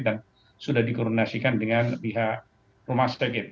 dan sudah dikoordinasikan dengan pihak rumah sakit